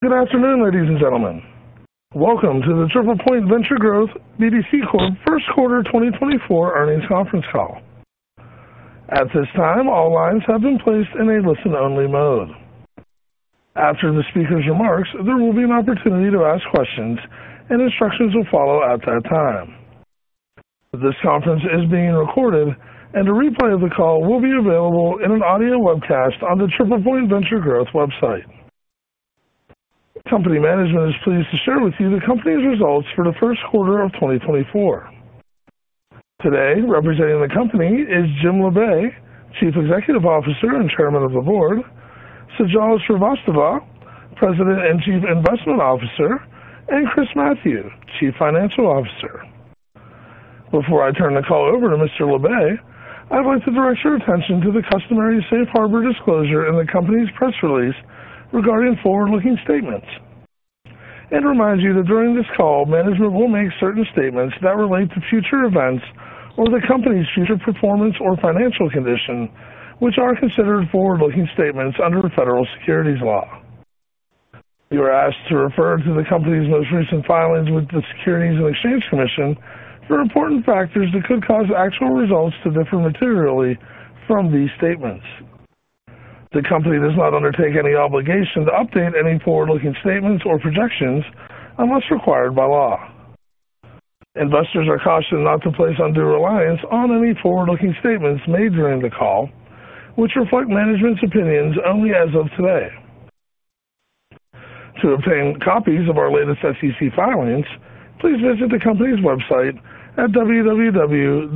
Good afternoon, ladies and gentlemen. Welcome to the TriplePoint Venture Growth BDC Corp First Quarter 2024 Earnings Conference Call. At this time, all lines have been placed in a listen-only mode. After the speaker's remarks, there will be an opportunity to ask questions, and instructions will follow at that time. This conference is being recorded, and a replay of the call will be available in an audio webcast on the TriplePoint Venture Growth website. Company management is pleased to share with you the company's results for the first quarter of 2024. Today, representing the company is Jim Labe, Chief Executive Officer and Chairman of the Board, Sajal Srivastava, President and Chief Investment Officer, and Chris Mathieu, Chief Financial Officer. Before I turn the call over to Mr. Labe, I'd like to direct your attention to the customary safe harbor disclosure in the company's press release regarding forward-looking statements. Remind you that during this call, management will make certain statements that relate to future events or the company's future performance or financial condition, which are considered forward-looking statements under the Federal Securities law. You are asked to refer to the company's most recent filings with the Securities and Exchange Commission for important factors that could cause actual results to differ materially from these statements. The company does not undertake any obligation to update any forward-looking statements or projections unless required by law. Investors are cautioned not to place undue reliance on any forward-looking statements made during the call, which reflect management's opinions only as of today. To obtain copies of our latest SEC filings, please visit the company's website at www.tpvg.com.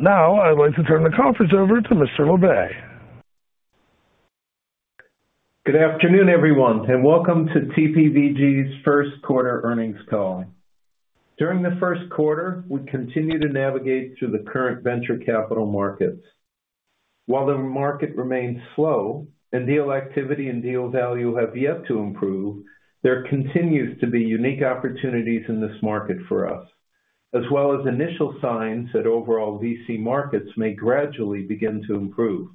Now, I'd like to turn the conference over to Mr. Labe. Good afternoon, everyone, and welcome to TPVG's First Quarter Earnings Call. During the first quarter, we continued to navigate through the current venture capital markets. While the market remains slow and deal activity and deal value have yet to improve, there continues to be unique opportunities in this market for us, as well as initial signs that overall VC markets may gradually begin to improve.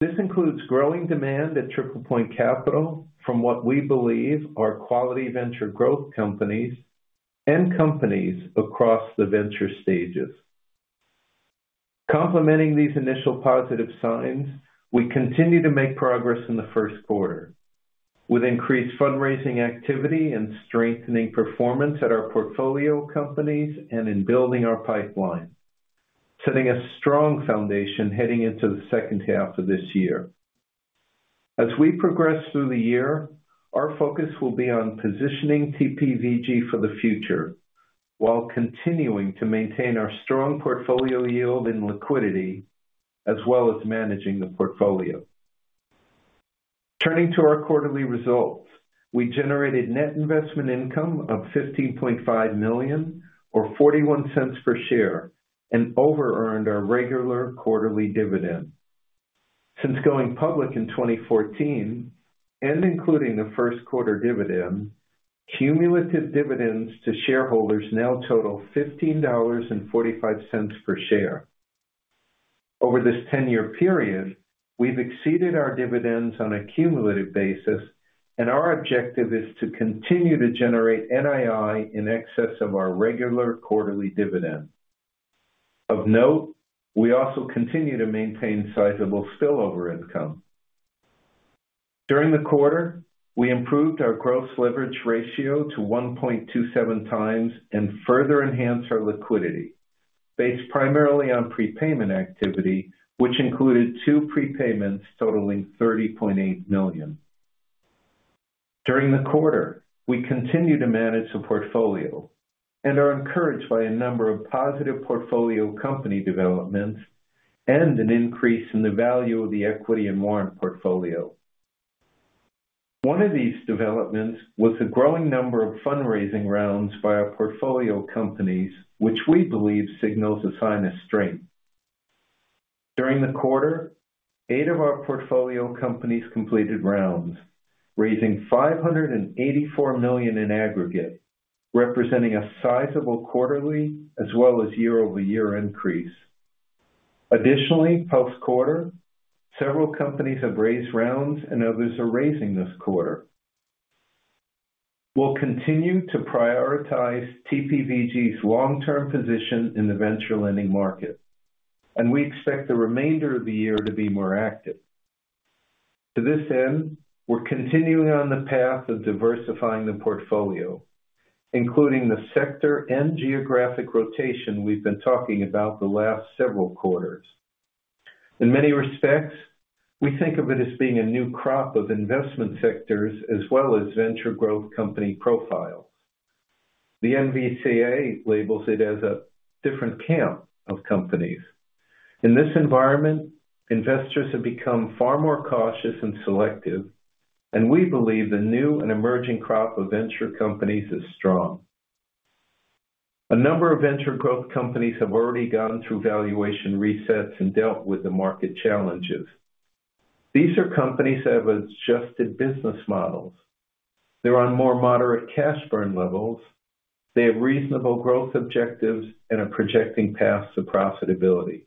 This includes growing demand at TriplePoint Capital from what we believe are quality venture growth companies and companies across the venture stages. Complementing these initial positive signs, we continue to make progress in the first quarter with increased fundraising activity and strengthening performance at our portfolio companies and in building our pipeline, setting a strong foundation heading into the second half of this year. As we progress through the year, our focus will be on positioning TPVG for the future, while continuing to maintain our strong portfolio yield and liquidity, as well as managing the portfolio. Turning to our quarterly results, we generated net investment income of $15.5 million or $0.41 per share and over-earned our regular quarterly dividend. Since going public in 2014 and including the first quarter dividend, cumulative dividends to shareholders now total $15.45 per share. Over this 10-year period, we've exceeded our dividends on a cumulative basis, and our objective is to continue to generate NII in excess of our regular quarterly dividend. Of note, we also continue to maintain sizable spillover income. During the quarter, we improved our gross leverage ratio to 1.27 times and further enhanced our liquidity, based primarily on prepayment activity, which included two prepayments totaling $30.8 million. During the quarter, we continued to manage the portfolio and are encouraged by a number of positive portfolio company developments and an increase in the value of the equity and warrant portfolio. One of these developments was a growing number of fundraising rounds by our portfolio companies, which we believe signals a sign of strength. During the quarter, eight of our portfolio companies completed rounds, raising $584 million in aggregate, representing a sizable quarterly as well as year-over-year increase. Additionally, post-quarter, several companies have raised rounds and others are raising this quarter. We'll continue to prioritize TPVG's long-term position in the venture lending market, and we expect the remainder of the year to be more active. To this end, we're continuing on the path of diversifying the portfolio, including the sector and geographic rotation we've been talking about the last several quarters. In many respects, we think of it as being a new crop of investment sectors as well as venture growth company profiles. The NVCA labels it as a different camp of companies. In this environment, investors have become far more cautious and selective, and we believe the new and emerging crop of venture companies is strong. A number of venture growth companies have already gone through valuation resets and dealt with the market challenges. These are companies that have adjusted business models. They're on more moderate cash burn levels, they have reasonable growth objectives and are projecting paths to profitability.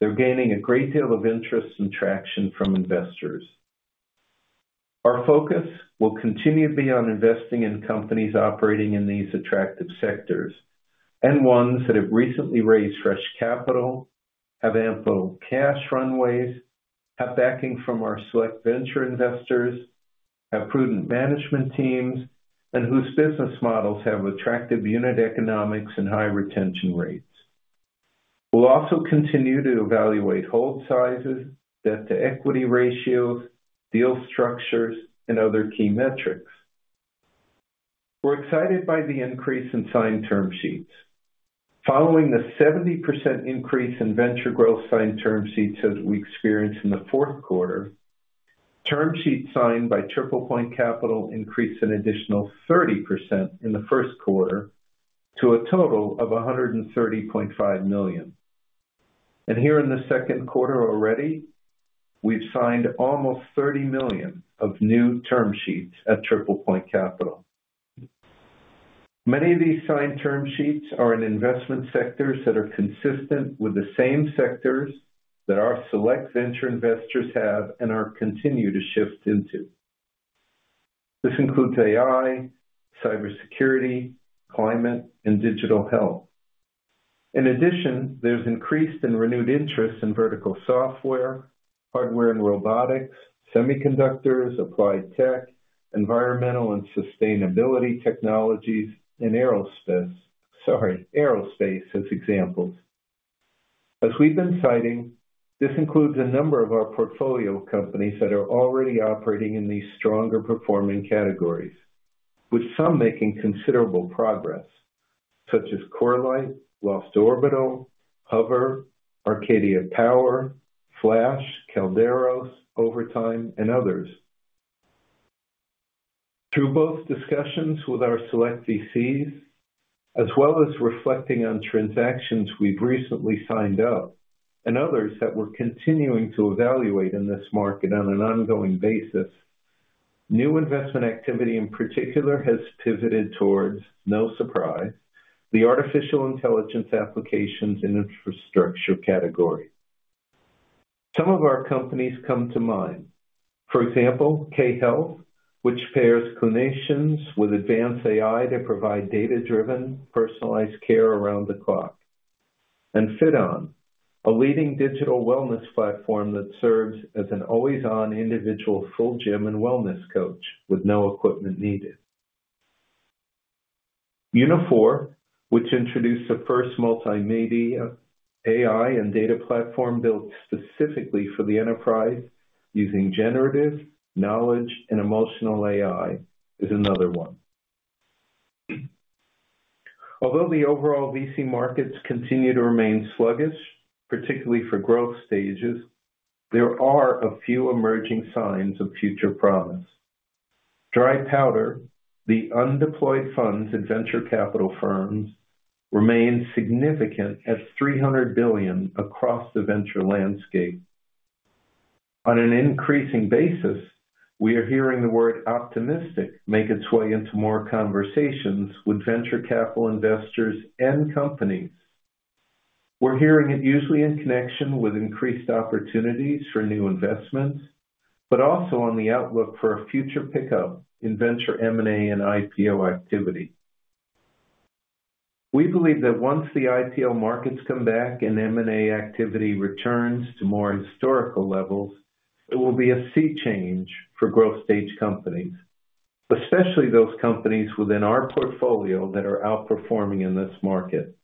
They're gaining a great deal of interest and traction from investors. Our focus will continue to be on investing in companies operating in these attractive sectors, and ones that have recently raised fresh capital, have ample cash runways, have backing from our select venture investors, have prudent management teams, and whose business models have attractive unit economics and high retention rates. We'll also continue to evaluate hold sizes, debt-to-equity ratios, deal structures, and other key metrics. We're excited by the increase in signed term sheets. Following the 70% increase in venture growth signed term sheets that we experienced in the fourth quarter, term sheets signed by TriplePoint Capital increased an additional 30% in the first quarter to a total of $130.5 million. Here in the second quarter already, we've signed almost $30 million of new term sheets at TriplePoint Capital. Many of these signed term sheets are in investment sectors that are consistent with the same sectors that our select venture investors have and are continuing to shift into. This includes AI, cybersecurity, climate, and digital health. In addition, there's increased and renewed interest in vertical software, hardware and robotics, semiconductors, applied tech, environmental and sustainability technologies, and aerospace, as examples. As we've been citing, this includes a number of our portfolio companies that are already operating in these stronger performing categories, with some making considerable progress, such as Corelight, Loft Orbital, Hover, Arcadia Power, Flash, Kalderos, Overtime, and others. Through both discussions with our select VCs, as well as reflecting on transactions we've recently signed up and others that we're continuing to evaluate in this market on an ongoing basis, new investment activity, in particular, has pivoted towards, no surprise, the artificial intelligence applications and infrastructure category. Some of our companies come to mind. For example, K Health, which pairs clinicians with advanced AI to provide data-driven, personalized care around the clock. And FitOn, a leading digital wellness platform that serves as an always-on individual full gym and wellness coach with no equipment needed. Uniphore, which introduced the first multimedia AI and data platform built specifically for the enterprise using generative, knowledge, and emotional AI, is another one. Although the overall VC markets continue to remain sluggish, particularly for growth stages, there are a few emerging signs of future promise. Dry powder, the undeployed funds in venture capital firms, remains significant at $300 billion across the venture landscape. On an increasing basis, we are hearing the word optimistic make its way into more conversations with venture capital investors and companies. We're hearing it usually in connection with increased opportunities for new investments, but also on the outlook for a future pickup in venture M&A and IPO activity. We believe that once the IPO markets come back and M&A activity returns to more historical levels, it will be a sea change for growth stage companies, especially those companies within our portfolio that are outperforming in this market.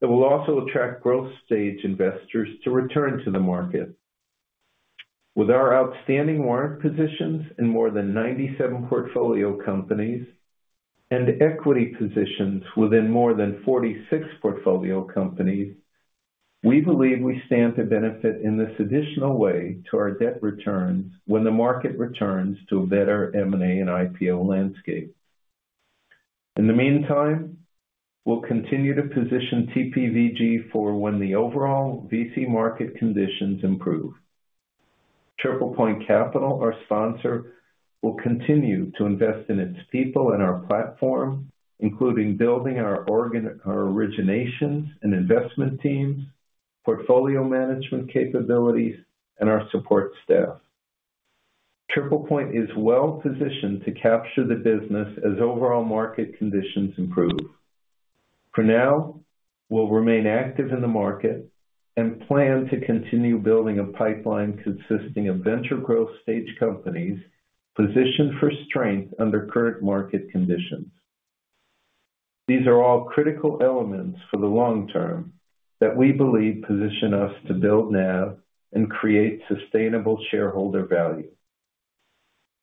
It will also attract growth stage investors to return to the market. With our outstanding warrant positions in more than 97 portfolio companies and equity positions within more than 46 portfolio companies, we believe we stand to benefit in this additional way to our debt returns when the market returns to a better M&A and IPO landscape. In the meantime, we'll continue to position TPVG for when the overall VC market conditions improve. TriplePoint Capital, our sponsor, will continue to invest in its people and our platform, including building our our originations and investment teams, portfolio management capabilities, and our support staff. TriplePoint is well positioned to capture the business as overall market conditions improve. For now, we'll remain active in the market and plan to continue building a pipeline consisting of venture growth stage companies positioned for strength under current market conditions. These are all critical elements for the long term that we believe position us to build now and create sustainable shareholder value.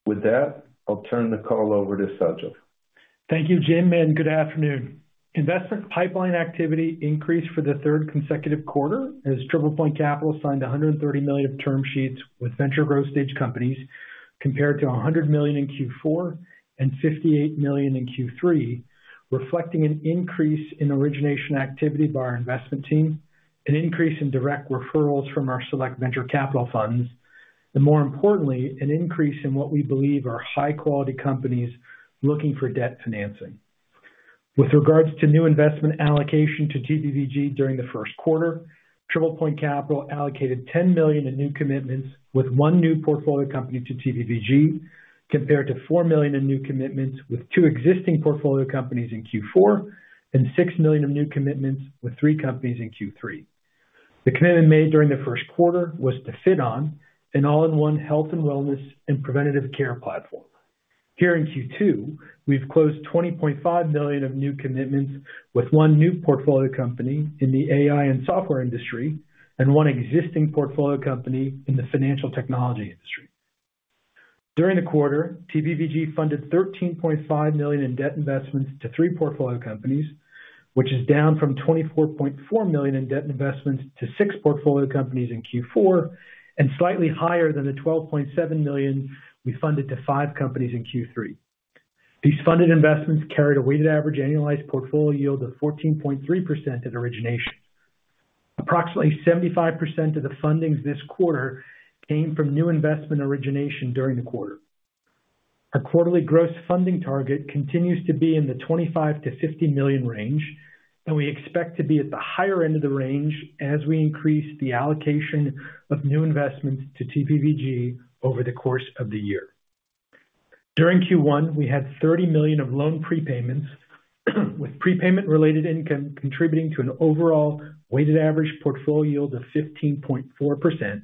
With that, I'll turn the call over to Sajal. Thank you, Jim, and good afternoon. Investment pipeline activity increased for the third consecutive quarter as TriplePoint Capital signed $130 million term sheets with venture growth stage companies, compared to $100 million in Q4 and $58 million in Q3, reflecting an increase in origination activity by our investment team, an increase in direct referrals from our select venture capital funds, and more importantly, an increase in what we believe are high-quality companies looking for debt financing. With regards to new investment allocation to TPVG during the first quarter, TriplePoint Capital allocated $10 million in new commitments, with one new portfolio company to TPVG, compared to $4 million in new commitments with two existing portfolio companies in Q4, and $6 million of new commitments with three companies in Q3. The commitment made during the first quarter was to FitOn, an all-in-one health and wellness and preventative care platform. Here in Q2, we've closed $20.5 million of new commitments with one new portfolio company in the AI and software industry and one existing portfolio company in the financial technology industry. During the quarter, TPVG funded $13.5 million in debt investments to three portfolio companies, which is down from $24.4 million in debt investments to six portfolio companies in Q4, and slightly higher than the $12.7 million we funded to five companies in Q3. These funded investments carried a weighted average annualized portfolio yield of 14.3% at origination. Approximately 75% of the fundings this quarter came from new investment origination during the quarter. Our quarterly gross funding target continues to be in the $25 million-$50 million range, and we expect to be at the higher end of the range as we increase the allocation of new investments to TPVG over the course of the year. During Q1, we had $30 million of loan prepayments, with prepayment-related income contributing to an overall weighted average portfolio yield of 15.4%,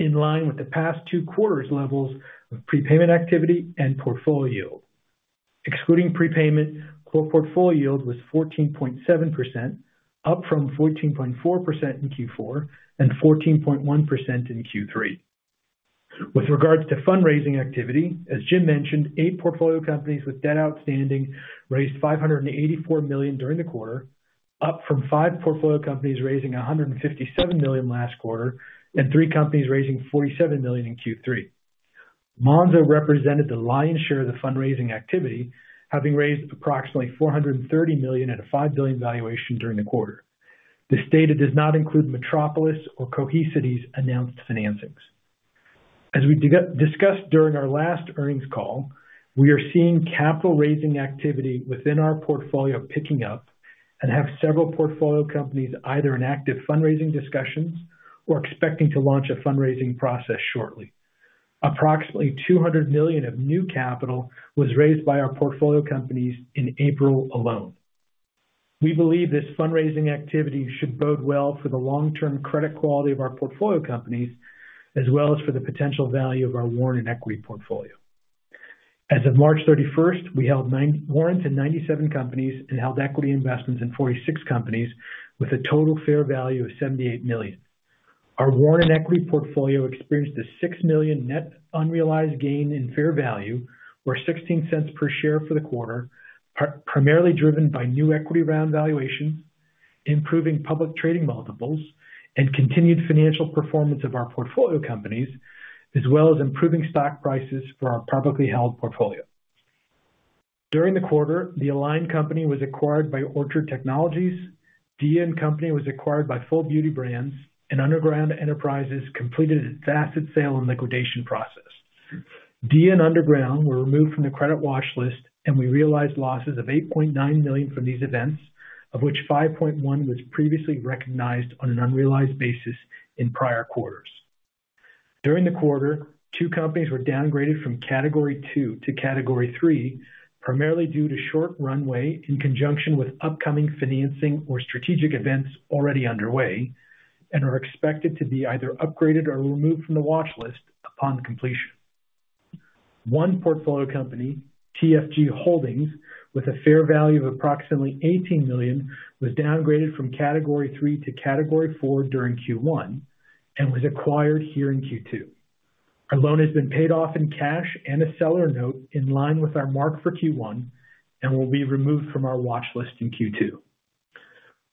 in line with the past two quarters' levels of prepayment activity and portfolio yield. Excluding prepayment, core portfolio yield was 14.7%, up from 14.4% in Q4 and 14.1% in Q3. With regards to fundraising activity, as Jim mentioned, eight portfolio companies with debt outstanding raised $584 million during the quarter, up from five portfolio companies, raising $157 million last quarter, and three companies raising $47 million in Q3. Monzo represented the lion's share of the fundraising activity, having raised approximately $430 million at a $5 billion valuation during the quarter. This data does not include Metropolis or Cohesity's announced financings. As we discussed during our last earnings call, we are seeing capital raising activity within our portfolio picking up and have several portfolio companies either in active fundraising discussions or expecting to launch a fundraising process shortly. Approximately $200 million of new capital was raised by our portfolio companies in April alone. We believe this fundraising activity should bode well for the long-term credit quality of our portfolio companies, as well as for the potential value of our warrant and equity portfolio. As of March 31st, we held nine warrants in 97 companies and held equity investments in 46 companies with a total fair value of $78 million. Our warrant and equity portfolio experienced a $6 million net unrealized gain in fair value, or $0.16 per share for the quarter, primarily driven by new equity round valuations, improving public trading multiples, and continued financial performance of our portfolio companies, as well as improving stock prices for our publicly held portfolio. During the quarter, The Align Company was acquired by Orchard Technologies, D.N. company was acquired by FullBeauty Brands, and Underground Enterprises completed its asset sale and liquidation process. and Underground were removed from the credit watch list, and we realized losses of $8.9 million from these events, of which $5.1 million was previously recognized on an unrealized basis in prior quarters. During the quarter, two companies were downgraded from Category two to Category three, primarily due to short runway, in conjunction with upcoming financing or strategic events already underway, and are expected to be either upgraded or removed from the watch list upon completion. One portfolio company, TFG Holdings, with a fair value of approximately $18 million, was downgraded from Category three to Category four during Q1 and was acquired here in Q2. Our loan has been paid off in cash and a seller note in line with our mark for Q1 and will be removed from our watch list in Q2.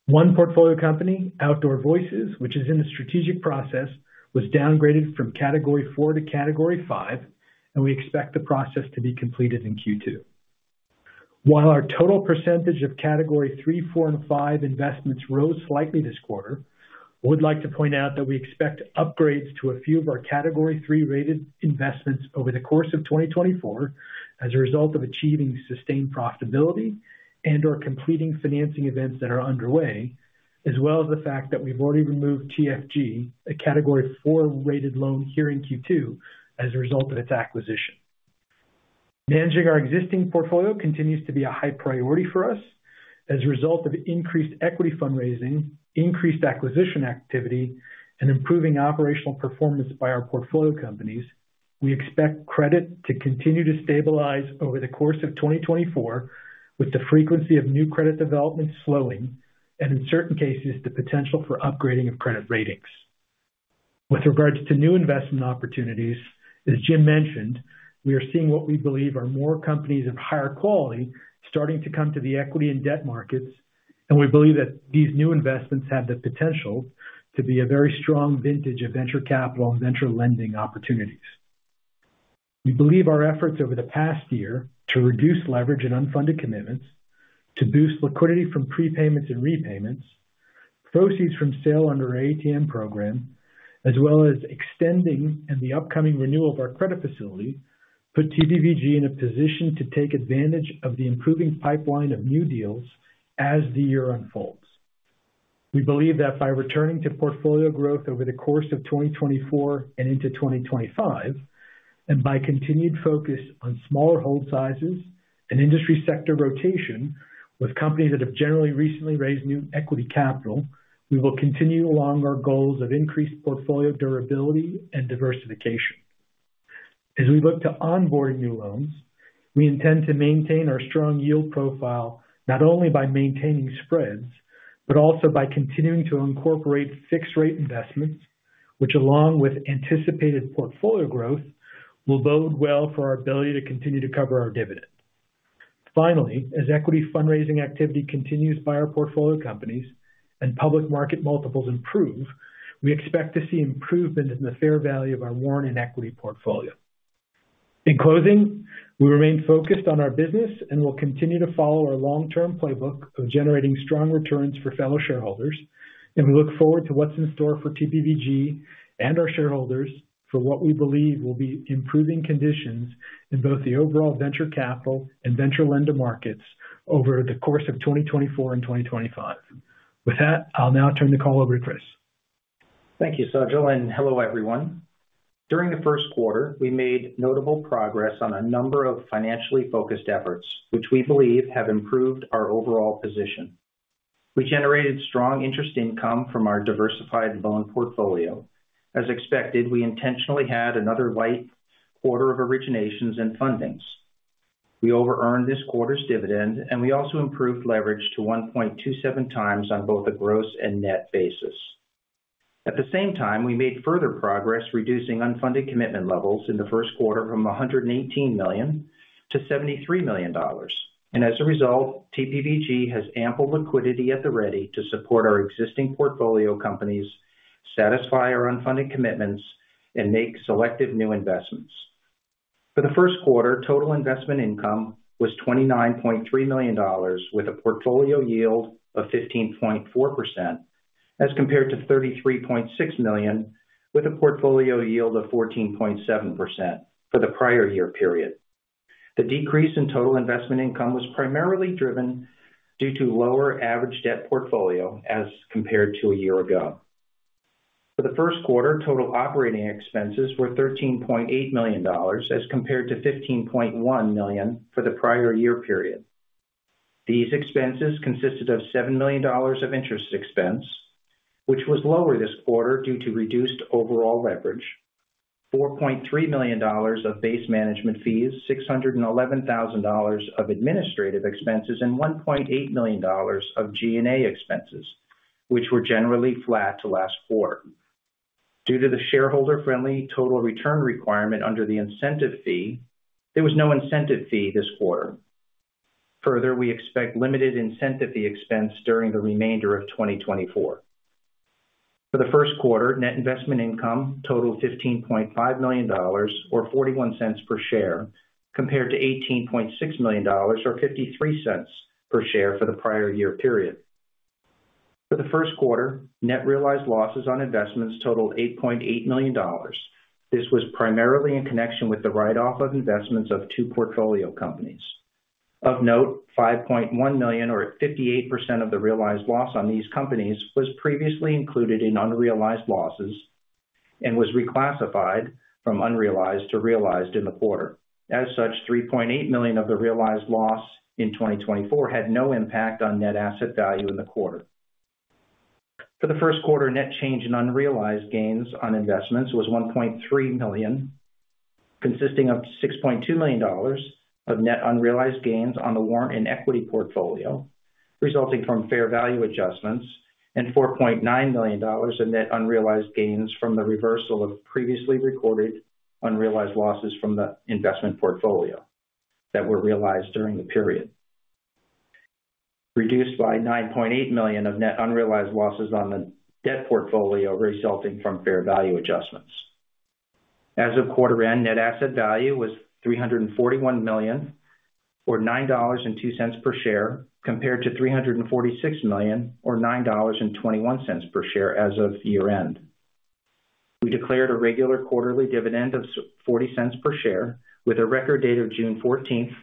One portfolio company, Outdoor Voices, which is in the strategic process, was downgraded from Category four to Category five, and we expect the process to be completed in Q2. While our total percentage of Category three, four, and five investments rose slightly this quarter, I would like to point out that we expect upgrades to a few of our Category three-rated investments over the course of 2024 as a result of achieving sustained profitability and/or completing financing events that are underway, as well as the fact that we've already removed TFG, a Category four-rated loan, here in Q2 as a result of its acquisition. Managing our existing portfolio continues to be a high priority for us. As a result of increased equity fundraising, increased acquisition activity, and improving operational performance by our portfolio companies, we expect credit to continue to stabilize over the course of 2024, with the frequency of new credit development slowing and, in certain cases, the potential for upgrading of credit ratings. With regards to new investment opportunities, as Jim mentioned, we are seeing what we believe are more companies of higher quality starting to come to the equity and debt markets, and we believe that these new investments have the potential to be a very strong vintage of venture capital and venture lending opportunities. We believe our efforts over the past year to reduce leverage and unfunded commitments, to boost liquidity from prepayments and repayments, proceeds from sale under our ATM Program, as well as extending and the upcoming renewal of our credit facility, put TPVG in a position to take advantage of the improving pipeline of new deals as the year unfolds. We believe that by returning to portfolio growth over the course of 2024 and into 2025, and by continued focus on smaller hold sizes and industry sector rotation with companies that have generally recently raised new equity capital, we will continue along our goals of increased portfolio durability and diversification. As we look to onboard new loans, we intend to maintain our strong yield profile, not only by maintaining spreads, but also by continuing to incorporate fixed rate investments, which, along with anticipated portfolio growth, will bode well for our ability to continue to cover our dividend. Finally, as equity fundraising activity continues by our portfolio companies and public market multiples improve, we expect to see improvement in the fair value of our warrant and equity portfolio. In closing, we remain focused on our business and will continue to follow our long-term playbook of generating strong returns for fellow shareholders, and we look forward to what's in store for TPVG and our shareholders for what we believe will be improving conditions in both the overall venture capital and venture lender markets over the course of 2024 and 2025. With that, I'll now turn the call over to Chris. Thank you, Sajal, and hello, everyone. During the first quarter, we made notable progress on a number of financially focused efforts, which we believe have improved our overall position. We generated strong interest income from our diversified loan portfolio. As expected, we intentionally had another light quarter of originations and fundings. We over-earned this quarter's dividend, and we also improved leverage to 1.27x on both a gross and net basis. At the same time, we made further progress, reducing unfunded commitment levels in the first quarter from $118 million to $73 million. As a result, TPVG has ample liquidity at the ready to support our existing portfolio companies, satisfy our unfunded commitments, and make selective new investments. For the first quarter, total investment income was $29.3 million, with a portfolio yield of 15.4%, as compared to $33.6 million, with a portfolio yield of 14.7% for the prior year period. The decrease in total investment income was primarily driven due to lower average debt portfolio as compared to a year ago. For the first quarter, total operating expenses were $13.8 million, as compared to $15.1 million for the prior year period. These expenses consisted of $7 million of interest expense, which was lower this quarter due to reduced overall leverage, $4.3 million of base management fees, $611,000 of administrative expenses, and $1.8 million of G&A expenses, which were generally flat to last quarter. Due to the shareholder-friendly total return requirement under the incentive fee, there was no incentive fee this quarter. Further, we expect limited incentive fee expense during the remainder of 2024. For the first quarter, net investment income totaled $15.5 million or $0.41 per share, compared to $18.6 million or $0.53 per share for the prior year period. For the first quarter, net realized losses on investments totaled $8.8 million. This was primarily in connection with the write-off of investments of two portfolio companies. Of note, $5.1 million or 58% of the realized loss on these companies, was previously included in unrealized losses and was reclassified from unrealized to realized in the quarter. As such, $3.8 million of the realized loss in 2024 had no impact on net asset value in the quarter. For the first quarter, net change in unrealized gains on investments was $1.3 million, consisting of $6.2 million of net unrealized gains on the warrant and equity portfolio, resulting from fair value adjustments, and $4.9 million in net unrealized gains from the reversal of previously recorded unrealized losses from the investment portfolio that were realized during the period, reduced by $9.8 million of net unrealized losses on the debt portfolio resulting from fair value adjustments. As of quarter end, net asset value was $341 million or $9.02 per share, compared to $346 million or $9.21 per share as of year-end. We declared a regular quarterly dividend of forty cents per share, with a record date of June 14th,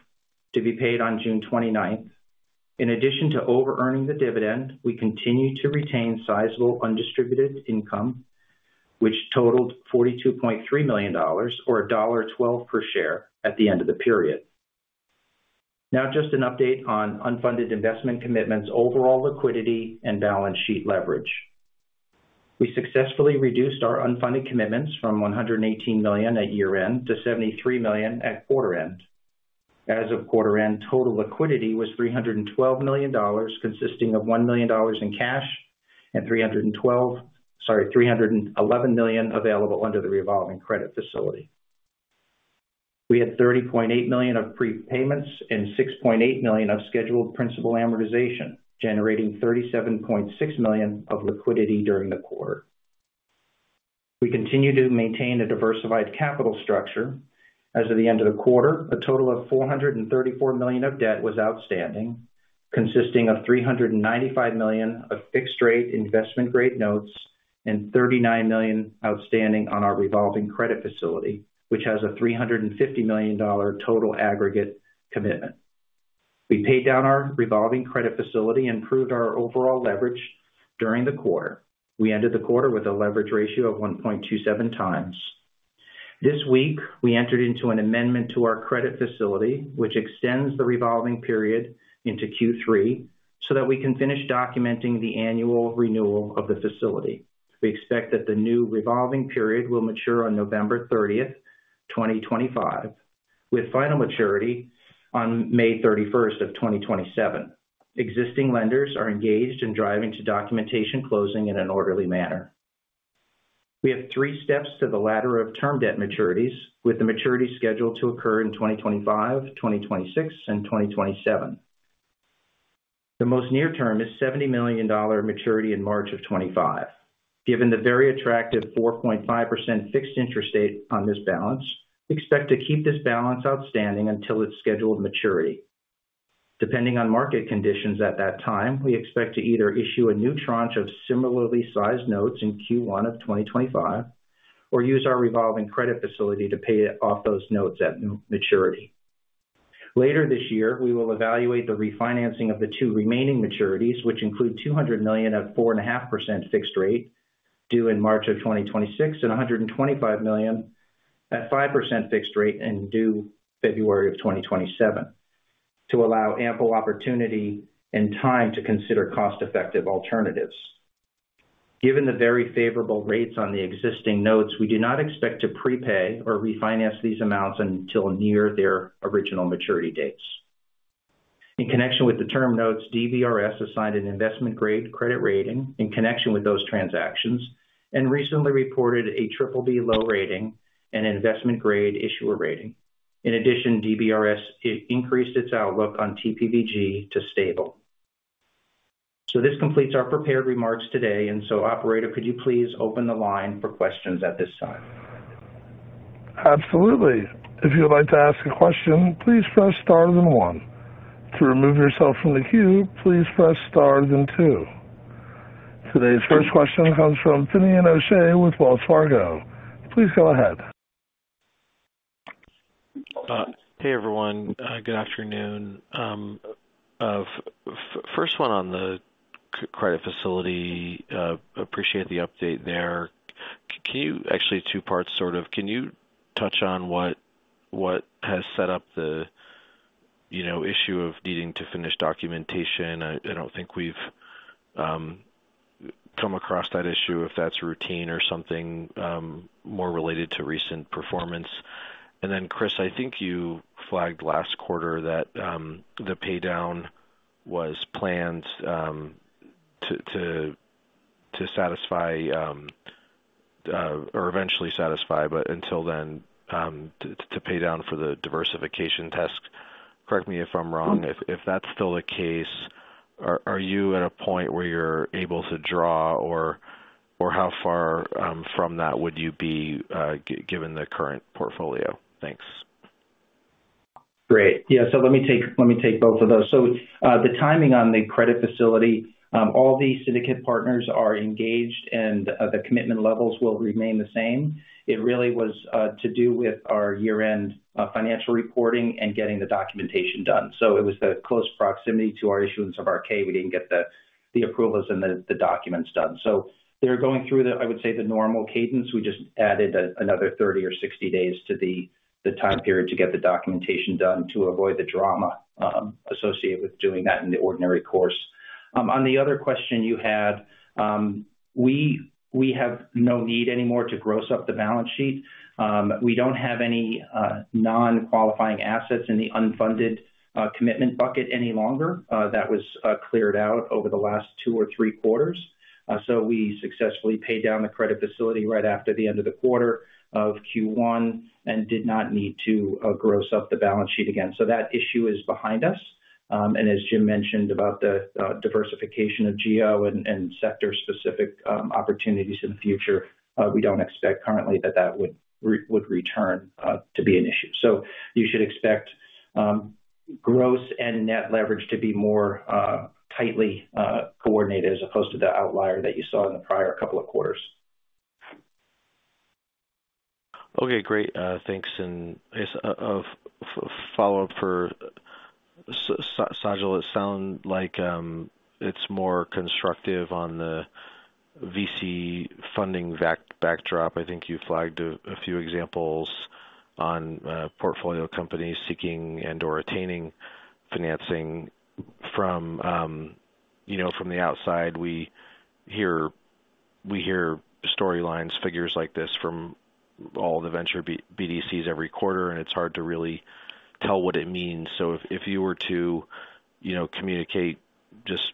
to be paid on June 29th. In addition to overearning the dividend, we continue to retain sizable undistributed income, which totaled $42.3 million or $1.12 per share at the end of the period. Now, just an update on unfunded investment commitments, overall liquidity, and balance sheet leverage. We successfully reduced our unfunded commitments from $118 million at year-end to $73 million at quarter-end. As of quarter-end, total liquidity was $312 million, consisting of $1 million in cash and $312, sorry, $311 million available under the revolving credit facility. We had $30.8 million of prepayments and $6.8 million of scheduled principal amortization, generating $37.6 million of liquidity during the quarter. We continue to maintain a diversified capital structure. As of the end of the quarter, a total of $434 million of debt was outstanding, consisting of $395 million of fixed rate investment grade notes and $39 million outstanding on our Revolving Credit Facility, which has a $350 million total aggregate commitment. We paid down our Revolving Credit Facility, improved our overall leverage during the quarter. We ended the quarter with a leverage ratio of 1.27x. This week, we entered into an amendment to our credit facility, which extends the revolving period into Q3, so that we can finish documenting the annual renewal of the facility. We expect that the new revolving period will mature on November 30th, 2025, with final maturity on May 31st, 2027. Existing lenders are engaged in driving to documentation closing in an orderly manner. We have three steps to the ladder of term debt maturities, with the maturity schedule to occur in 2025, 2026, and 2027. The most near term is $70 million maturity in March of 2025. Given the very attractive 4.5% fixed interest rate on this balance, we expect to keep this balance outstanding until its scheduled maturity. Depending on market conditions at that time, we expect to either issue a new tranche of similarly sized notes in Q1 of 2025 or use our revolving credit facility to pay off those notes at maturity. Later this year, we will evaluate the refinancing of the two remaining maturities, which include $200 million at 4.5% fixed rate due in March 2026, and $125 million at 5% fixed rate due February 2027, to allow ample opportunity and time to consider cost-effective alternatives. Given the very favorable rates on the existing notes, we do not expect to prepay or refinance these amounts until near their original maturity dates. In connection with the term notes, DBRS assigned an investment-grade credit rating in connection with those transactions and recently reported a triple-B low rating and investment-grade issuer rating. In addition, DBRS increased its outlook on TPVG to stable. So this completes our prepared remarks today. And so, operator, could you please open the line for questions at this time? Absolutely. If you would like to ask a question, please press star then one. To remove yourself from the queue, please press star then two. Today's first question comes from Finian O'Shea with Wells Fargo. Please go ahead. Hey, everyone, good afternoon. First one on the credit facility, appreciate the update there. Can you, actually two parts, sort of. Can you touch on what has set up the, you know, issue of needing to finish documentation? I don't think we've come across that issue, if that's routine or something more related to recent performance. And then, Chris, I think you flagged last quarter that the paydown was planned to satisfy or eventually satisfy, but until then to pay down for the diversification test. Correct me if I'm wrong. If that's still the case, are you at a point where you're able to draw or how far from that would you be given the current portfolio? Thanks. Great. Yeah, so let me take, let me take both of those. So, the timing on the credit facility, all the syndicate partners are engaged, and, the commitment levels will remain the same. It really was, to do with our year-end, financial reporting and getting the documentation done. So it was the close proximity to our issuance of RK. We didn't get the approvals and the documents done. So they're going through the, I would say, the normal cadence. We just added another 30 or 60 days to the time period to get the documentation done to avoid the drama, associated with doing that in the ordinary course. On the other question you had, we have no need anymore to gross up the balance sheet. We don't have any non-qualifying assets in the unfunded commitment bucket any longer. That was cleared out over the last two or three quarters. So we successfully paid down the credit facility right after the end of the quarter of Q1 and did not need to gross up the balance sheet again. So that issue is behind us. And as Jim mentioned about the diversification of Geo and sector-specific opportunities in the future, we don't expect currently that that would return to be an issue. So you should expect gross and net leverage to be more tightly coordinated, as opposed to the outlier that you saw in the prior couple of quarters. Okay, great. Thanks. And I guess, follow-up for Sajal, it sounds like it's more constructive on the VC funding backdrop. I think you flagged a few examples on portfolio companies seeking and/or attaining financing from, you know, from the outside, we hear storylines, figures like this from all the venture BDCs every quarter, and it's hard to really tell what it means. So if you were to, you know, communicate just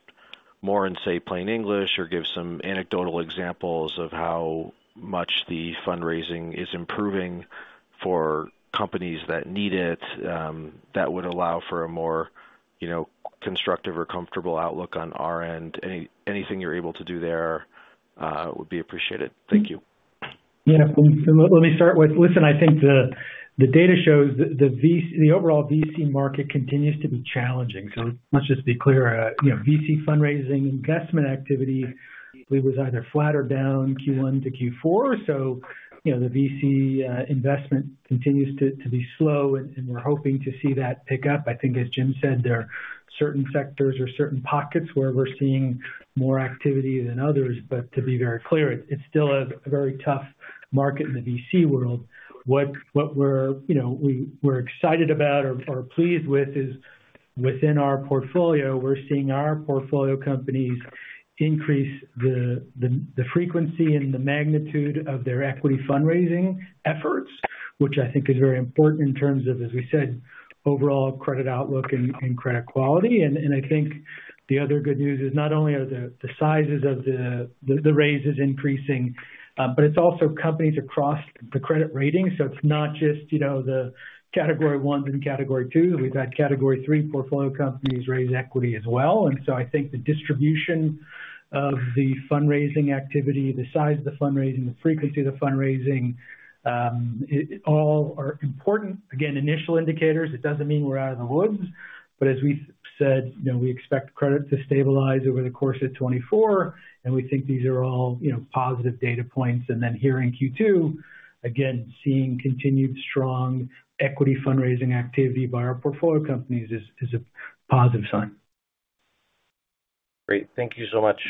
more in, say, plain English or give some anecdotal examples of how much the fundraising is improving for companies that need it, that would allow for a more, you know, constructive or comfortable outlook on our end. Anything you're able to do there would be appreciated. Thank you. Yeah. So let me start with. Listen, I think the data shows that the VC, the overall VC market continues to be challenging. So let's just be clear, you know, VC fundraising investment activity, I believe, was either flat or down Q1 to Q4. So, you know, the VC investment continues to be slow, and we're hoping to see that pick up. I think, as Jim said, there are certain sectors or certain pockets where we're seeing more activity than others. But to be very clear, it's still a very tough market in the VC world. What we're, you know, we're excited about or pleased with is within our portfolio, we're seeing our portfolio companies increase the frequency and the magnitude of their equity fundraising efforts, which I think is very important in terms of, as we said, overall credit outlook and credit quality. And I think the other good news is not only are the sizes of the raises increasing, but it's also companies across the credit rating. So it's not just, you know, the Category one and Category two. We've had Category three portfolio companies raise equity as well. And so I think the distribution of the fundraising activity, the size of the fundraising, the frequency of the fundraising, it all are important. Again, initial indicators, it doesn't mean we're out of the woods, but as we've said, you know, we expect credit to stabilize over the course of 2024, and we think these are all, you know, positive data points. And then here in Q2, again, seeing continued strong equity fundraising activity by our portfolio companies is a positive sign. Great. Thank you so much.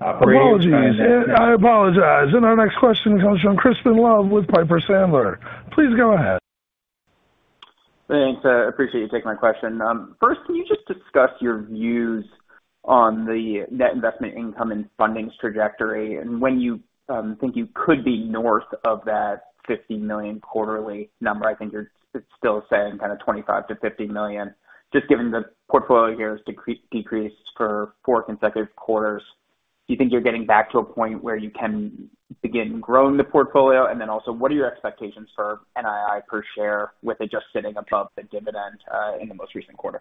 Apologies. I apologize. Our next question comes from Crispin Love with Piper Sandler. Please go ahead. Thanks, appreciate you taking my question. First, can you just discuss your views on the net investment income and fundings trajectory, and when you think you could be north of that $50 million quarterly number? I think it's still saying kind of $25 million-$50 million. Just given the portfolio here has decreased for four consecutive quarters, do you think you're getting back to a point where you can begin growing the portfolio? And then also, what are your expectations for NII per share, with it just sitting above the dividend in the most recent quarter?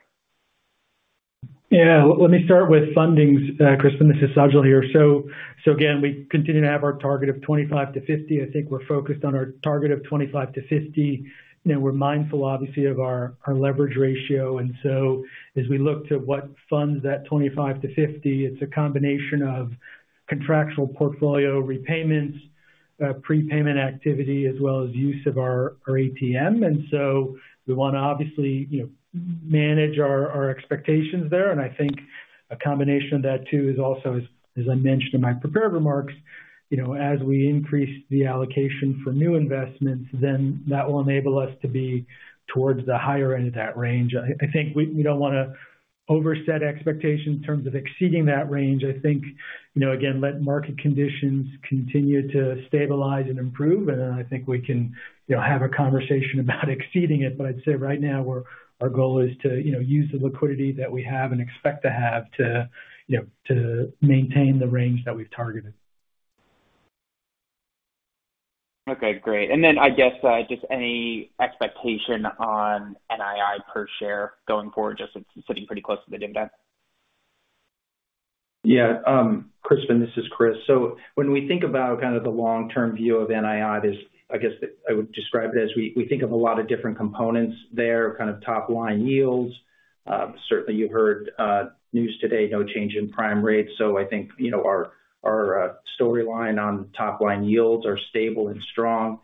Yeah. Let me start with fundings, Crispin. This is Sajal here. So, so again, we continue to have our target of $25 million-$50 million. I think we're focused on our target of $25 million-$50 million. You know, we're mindful, obviously, of our, our leverage ratio, and so as we look to what funds that $25 million-$50 million, it's a combination of contractual portfolio repayments, prepayment activity, as well as use of our, our ATM. And so we want to obviously, you know, manage our, our expectations there. And I think a combination of that, too, is also, as, as I mentioned in my prepared remarks, you know, as we increase the allocation for new investments, then that will enable us to be towards the higher end of that range. I, I think we, we don't want to overset expectations in terms of exceeding that range. I think, you know, again, let market conditions continue to stabilize and improve, and then I think we can, you know, have a conversation about exceeding it. But I'd say right now, our goal is to, you know, use the liquidity that we have and expect to have to, you know, to maintain the range that we've targeted. Okay, great. And then I guess, just any expectation on NII per share going forward, just it's sitting pretty close to the dividend? Yeah, Crispin, this is Chris. So when we think about kind of the long-term view of NII, I guess I would describe it as we, we think of a lot of different components there, kind of top-line yields. Certainly, you heard news today, no change in prime rates. So I think, you know, our, our storyline on top-line yields are stable and strong.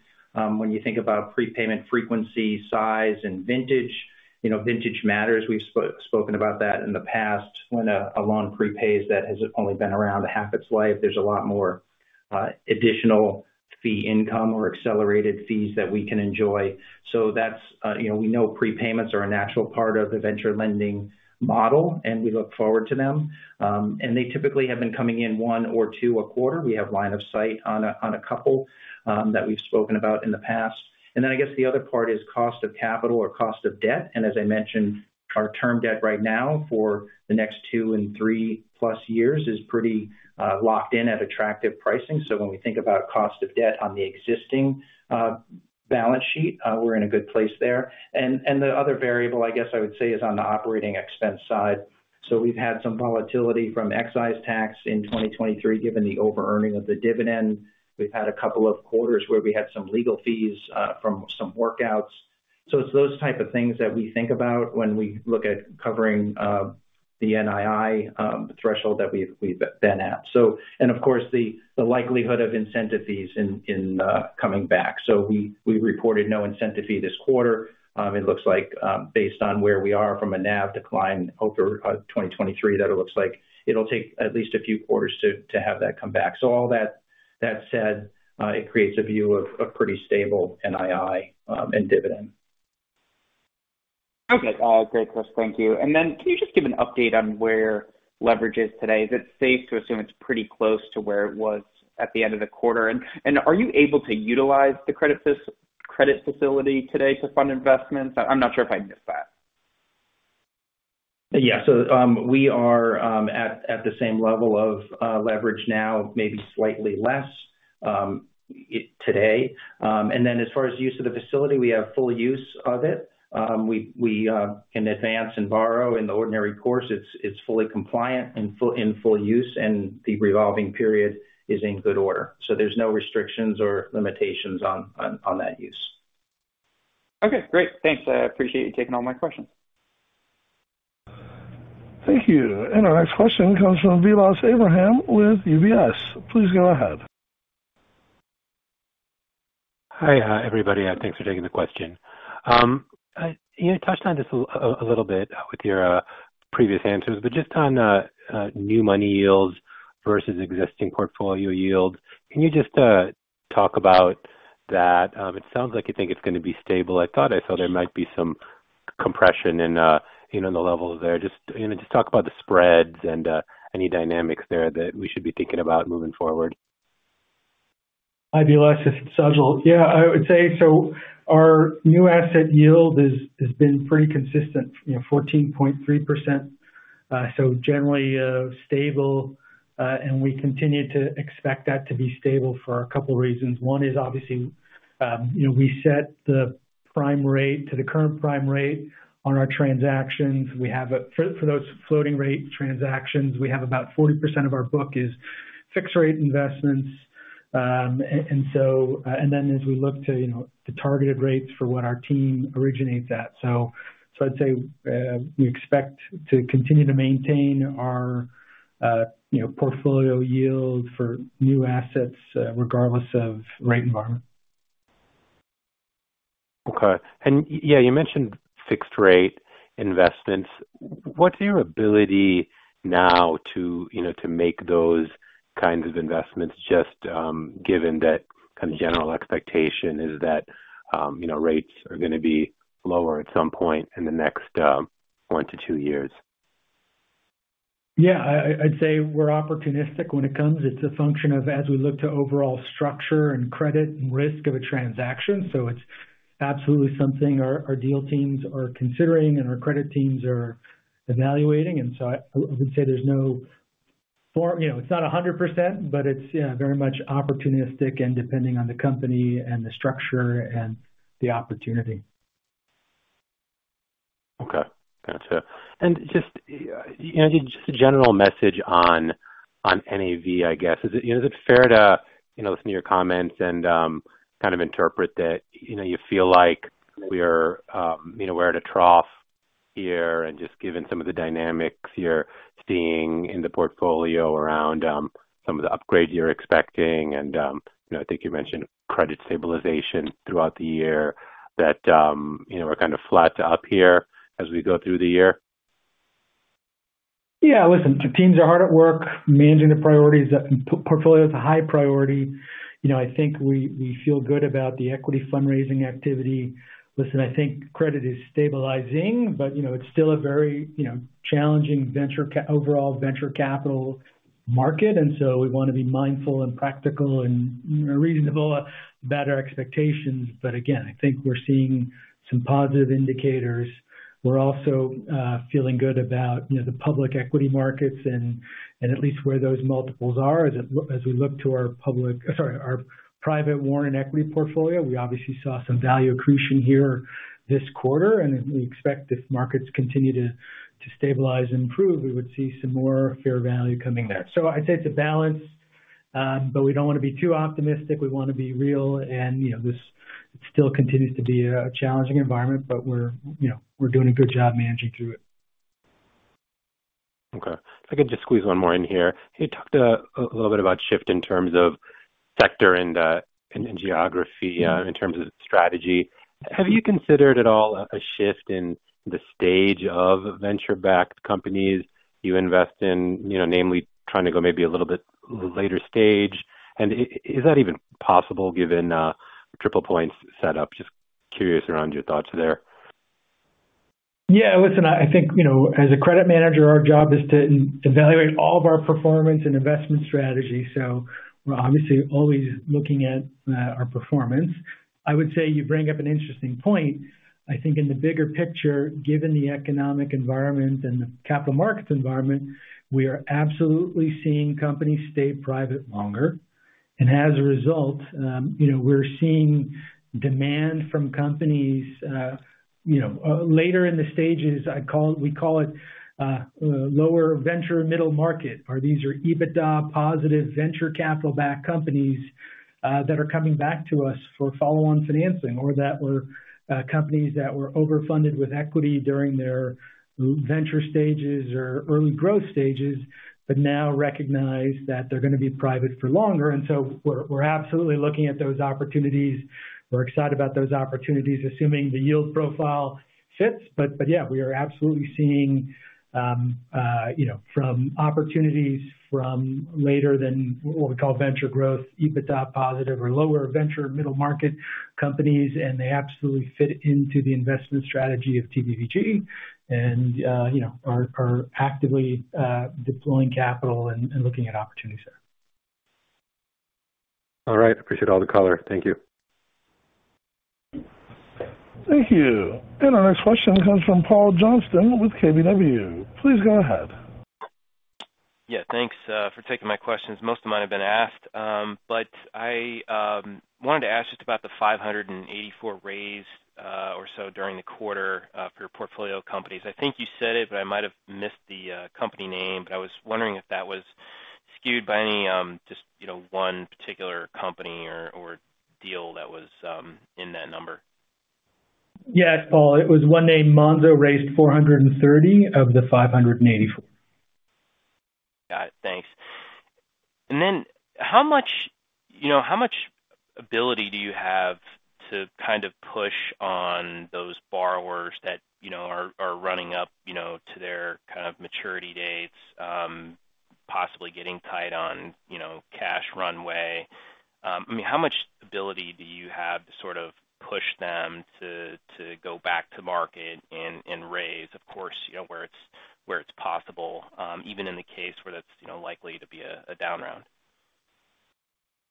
When you think about prepayment frequency, size, and vintage, you know, vintage matters. We've spoken about that in the past. When a loan prepays that has only been around half its life, there's a lot more additional fee income or accelerated fees that we can enjoy. So that's, you know, we know prepayments are a natural part of the venture lending model, and we look forward to them. And they typically have been coming in one or two a quarter. We have line of sight on a couple that we've spoken about in the past. And then I guess the other part is cost of capital or cost of debt, and as I mentioned, our term debt right now for the next two and 3+ years is pretty locked in at attractive pricing. So when we think about cost of debt on the existing balance sheet, we're in a good place there. And the other variable, I guess I would say, is on the operating expense side. So we've had some volatility from excise tax in 2023, given the overearning of the dividend. We've had a couple of quarters where we had some legal fees from some workouts. So it's those type of things that we think about when we look at covering the NII threshold that we've been at. And of course, the likelihood of incentive fees in coming back. So we reported no incentive fee this quarter. It looks like, based on where we are from a NAV decline over 2023, that it looks like it'll take at least a few quarters to have that come back. So all that said, it creates a view of a pretty stable NII and dividend. Okay. Great, Chris, thank you. And then can you just give an update on where leverage is today? Is it safe to assume it's pretty close to where it was at the end of the quarter? And are you able to utilize the credit facility today to fund investments? I'm not sure if I missed that. Yeah. So, we are at the same level of leverage now, maybe slightly less today. And then as far as use of the facility, we have full use of it. We can advance and borrow in the ordinary course. It's fully compliant and in full use, and the revolving period is in good order. So there's no restrictions or limitations on that use. Okay, great. Thanks. I appreciate you taking all my questions. Thank you. And our next question comes from Vilas Abraham with UBS. Please go ahead. Hi, everybody, and thanks for taking the question. You touched on this a little bit with your previous answers, but just on new money yields versus existing portfolio yields, can you just talk about that? It sounds like you think it's gonna be stable. I thought I saw there might be some compression in, you know, the levels there. Just, you know, just talk about the spreads and any dynamics there that we should be thinking about moving forward. Hi, Vilas, it's Sajal. Yeah, I would say so our new asset yield has been pretty consistent, you know, 14.3%. So generally, stable, and we continue to expect that to be stable for a couple reasons. One is obviously, you know, we set the prime rate to the current prime rate on our transactions. We have for those floating rate transactions, we have about 40% of our book is fixed rate investments. And so, and then as we look to, you know, the targeted rates for what our team originates at. So, I'd say, we expect to continue to maintain our, you know, portfolio yield for new assets, regardless of rate environment. Okay. And, yeah, you mentioned fixed rate investments. What's your ability now to, you know, to make those kinds of investments, just, given that kind of general expectation is that, you know, rates are gonna be lower at some point in the next, one to two years? Yeah, I'd say we're opportunistic when it comes. It's a function of as we look to overall structure and credit and risk of a transaction. So it's absolutely something our deal teams are considering and our credit teams are evaluating, and so I would say there's no form. You know, it's not 100%, but it's, yeah, very much opportunistic and depending on the company and the structure and the opportunity. Okay, gotcha. And just, you know, just a general message on NAV, I guess. Is it, you know, is it fair to, you know, listen to your comments and kind of interpret that, you know, you feel like we're, you know, we're at a trough here and just given some of the dynamics you're seeing in the portfolio around some of the upgrade you're expecting, and you know, I think you mentioned credit stabilization throughout the year, that you know, we're kind of flat to up here as we go through the year? Yeah. Listen, the teams are hard at work managing the priorities. Portfolio is a high priority. You know, I think we feel good about the equity fundraising activity. Listen, I think credit is stabilizing, but, you know, it's still a very challenging overall venture capital market, and so we wanna be mindful and practical and reasonable about our expectations. But again, I think we're seeing some positive indicators. We're also feeling good about, you know, the public equity markets and at least where those multiples are as we look to our public, sorry, our private warrant equity portfolio. We obviously saw some value accretion here this quarter, and we expect if markets continue to stabilize and improve, we would see some more fair value coming there. I'd say it's a balance, but we don't wanna be too optimistic. We wanna be real. You know, this still continues to be a challenging environment, but we're, you know, we're doing a good job managing through it. Okay. If I could just squeeze one more in here. You talked a little bit about shift in terms of sector and, and geography in terms of the strategy. Have you considered at all a shift in the stage of venture-backed companies you invest in, you know, namely trying to go maybe a little bit later stage? And is that even possible given TriplePoint's setup? Just curious around your thoughts there. Yeah, listen, I think, you know, as a credit manager, our job is to evaluate all of our performance and investment strategy. So we're obviously always looking at our performance. I would say you bring up an interesting point. I think in the bigger picture, given the economic environment and the capital markets environment, we are absolutely seeing companies stay private longer. And as a result, you know, we're seeing demand from companies, you know, later in the stages. We call it lower venture middle market. Or these are EBITDA positive venture capital-backed companies that are coming back to us for follow-on financing or that were companies that were overfunded with equity during their venture stages or early growth stages, but now recognize that they're gonna be private for longer. And so we're absolutely looking at those opportunities. We're excited about those opportunities, assuming the yield profile fits. But yeah, we are absolutely seeing, you know, opportunities from later than what we call venture growth, EBITDA positive or lower venture middle market companies, and they absolutely fit into the investment strategy of TPVG and, you know, are actively deploying capital and looking at opportunities there. All right. Appreciate all the color. Thank you. Thank you. Our next question comes from Paul Johnson with KBW. Please go ahead. Yeah, thanks for taking my questions. Most of mine have been asked, but I wanted to ask just about the $584 million raised, or so during the quarter, for your portfolio companies. I think you said it, but I might have missed the company name, but I was wondering if that was skewed by any just, you know, one particular company or deal that was in that number. Yes, Paul, it was one named Monzo, raised $430 million of the $584 million. Got it. Thanks. And then how much, you know, how much ability do you have to kind of push on those borrowers that you know are running up, you know, to their kind of maturity dates, possibly getting tight on, you know, cash runway? I mean, how much ability do you have to sort of push them to go back to market and raise, of course, you know, where it's possible, even in the case where that's, you know, likely to be a down round?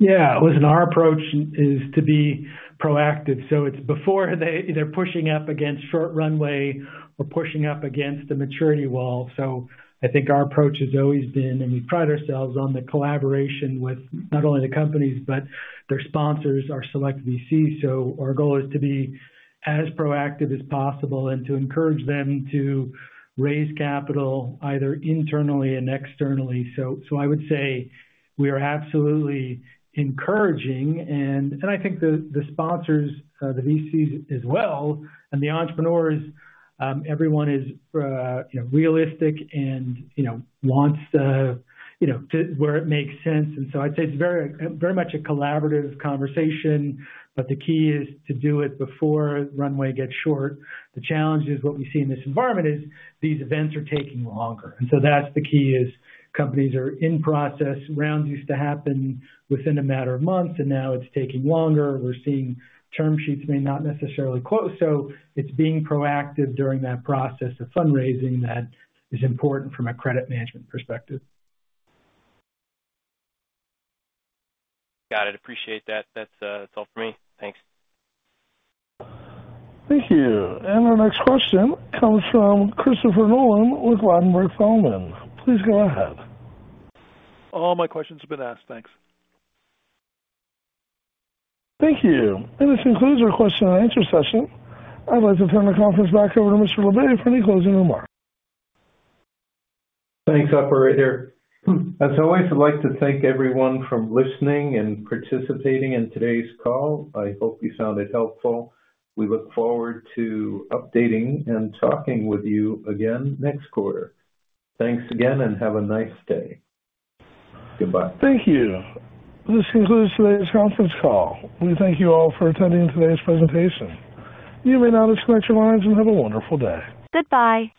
Yeah. Listen, our approach is to be proactive, so it's before they, they're pushing up against short runway or pushing up against the maturity wall. So I think our approach has always been, and we pride ourselves on the collaboration with not only the companies, but their sponsors, our select VCs. So our goal is to be as proactive as possible and to encourage them to raise capital either internally and externally. So I would say we are absolutely encouraging, and I think the sponsors, the VCs as well, and the entrepreneurs, everyone is, you know, realistic and, you know, wants to, you know, to where it makes sense. And so I'd say it's very, very much a collaborative conversation, but the key is to do it before runway gets short. The challenge is what we see in this environment is these events are taking longer, and so that's the key is companies are in process. Rounds used to happen within a matter of months, and now it's taking longer. We're seeing term sheets may not necessarily close, so it's being proactive during that process of fundraising that is important from a credit management perspective. Got it. Appreciate that. That's, that's all for me. Thanks. Thank you. Our next question comes from Christopher Nolan with Landenburg Thalmann. Please go ahead. All my questions have been asked. Thanks. Thank you. This concludes our question and answer session. I'd like to turn the conference back over to Mr. Labe for any closing remarks. Thanks, operator. As always, I'd like to thank everyone for listening and participating in today's call. I hope you found it helpful. We look forward to updating and talking with you again next quarter. Thanks again, and have a nice day. Goodbye. Thank you. This concludes today's conference call. We thank you all for attending today's presentation. You may now disconnect your lines and have a wonderful day. Goodbye.